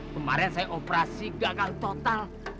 kemarin saya operasi gagal total